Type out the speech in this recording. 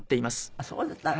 あっそうだったの。